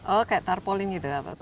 oh kayak tarpolin gitu ya pak